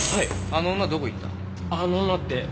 あの女って？